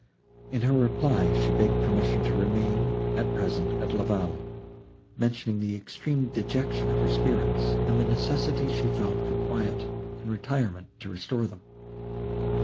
In her reply, she begged permission to remain, at present, at La Vallée, mentioning the extreme dejection of her spirits, and the necessity she felt for quiet and retirement to restore them.